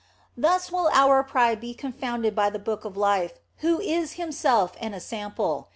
Thus will our pride be confounded by the Book of Life, who is Himself an ensample.